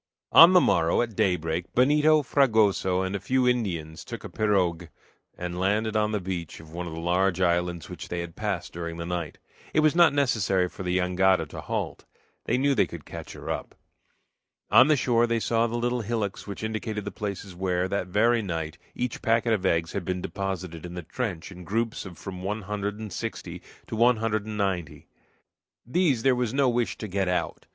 On the morrow, at daybreak, Benito, Fragoso, and a few Indians took a pirogue and landed on the beach of one of the large islands which they had passed during the night. It was not necessary for the jangada to halt. They knew they could catch her up. On the shore they saw the little hillocks which indicated the places where, that very night, each packet of eggs had been deposited in the trench in groups of from one hundred and sixty to one hundred and ninety. These there was no wish to get out.